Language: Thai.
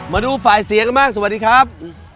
มาดูฝ่ายเสียกันบ้างสวัสดีครับ